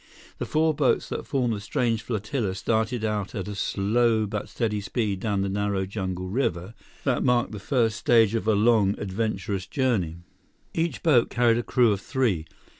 The four boats that formed the strange flotilla started out at a slow but steady speed down the narrow jungle river that marked the first stage of a long, adventurous journey. Each boat carried a crew of three.